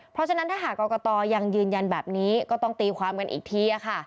เพราะฉะนั้นถ้าหากกรกตยังยืนยันแบบนี้ก็ต้องตีความกันอีกที